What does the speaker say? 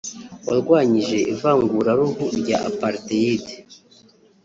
warwanyije ivanguraruhu rya Apartheid